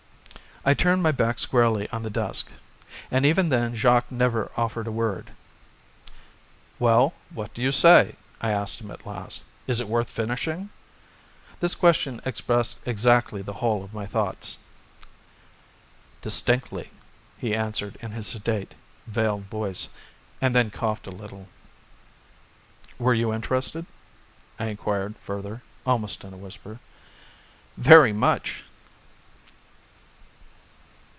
I turned my back squarely on the desk. And even then Jacques never offered a word. "Well, what do you say?" I asked at last. "Is it worth finishing?" This question expressed exactly the whole of my thoughts. "Distinctly," he answered in his sedate, veiled voice and then coughed a little. "Were you interested?" I inquired further almost in a whisper. "Very much!"